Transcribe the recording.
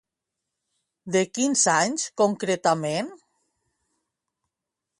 De quins anys concretament?